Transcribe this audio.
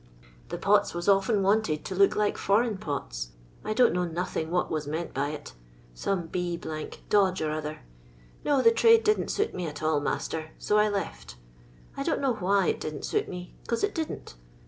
The pots was often wanted to look like foreign pots; I don't know nothing what was meant by it ; some b dodge or other. No, the trade didn't suit me at all, master, so I lefL I don't know why it didn't suit me ; cause it didn't.